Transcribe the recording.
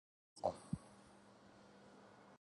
იგი ამ საქმის პიონერი იყო.